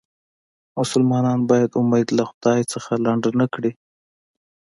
مسلمان باید امید له خدای نه لنډ نه کړي.